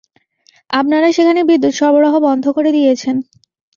আপনারা সেখানে বিদ্যুৎ সরবরাহ বন্ধ করে দিয়েছেন!